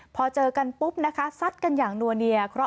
พอเจอกันปุ๊บซัดกันอย่างนัวเนีย